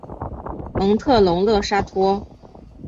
蒙特龙勒沙托。